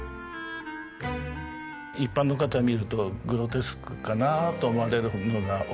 一般の方が見るとグロテスクかなと思われるものが多いですので。